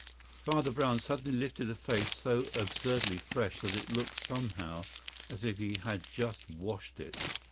Father Brown suddenly lifted a face so absurdly fresh that it looked somehow as if he had just washed it.